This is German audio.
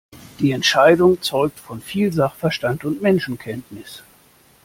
Die Entscheidung zeugt von viel Sachverstand und Menschenkenntnis.